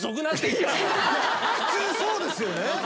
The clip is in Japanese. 普通そうですよね。